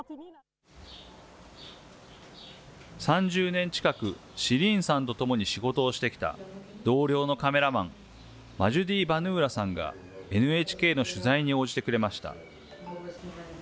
３０年近く、シリーンさんと共に仕事をしてきた同僚のカメラマン、マジュディ・バヌーラさんがＮＨＫの取材に応じてくれました。